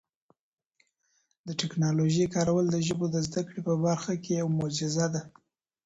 د ټکنالوژۍ کارول د ژبو د زده کړې په برخه کي یو معجزه ده.